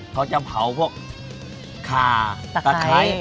เขาจะเผาพวกขาตะไคร้